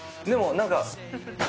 でも何か。